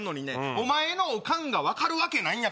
お前のオカンが分かるわけない。